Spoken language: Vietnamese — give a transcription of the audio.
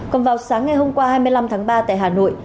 còn vào sáng ngày hôm qua hai mươi năm tháng ba tại hà nội